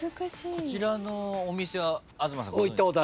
こちらのお店は東さん。